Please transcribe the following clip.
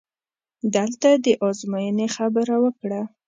دلته دې د ازموینې خبره وکړه؟!